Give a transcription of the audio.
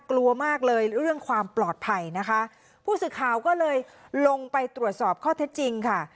กลัวมากเลยเรื่องความปลอดภัยนะคะผู้สื่อข่าวก็เลยลงไปตรวจสอบข้อเท็จจริงค่ะ